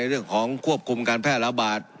เรื่องของควบคุมการแพร่ระบาด